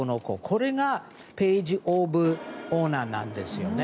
これがページ・オブ・オナーなんです。